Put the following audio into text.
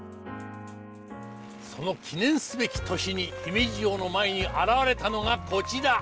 その記念すべき年に姫路城の前に現れたのがこちら！